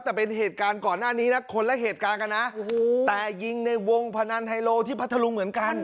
แต่เป็นเหตุการณ์ก่อนหน้านี้นะคนละเหตุการณ์กันนะโอ้โหแต่ยิงในวงพนันไฮโลที่พัทธรุงเหมือนกัน